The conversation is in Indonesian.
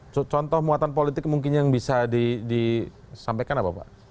contoh muatan politik mungkin yang bisa disampaikan apa pak